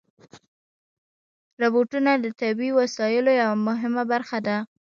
روبوټونه د طبي وسایلو یوه مهمه برخه ده.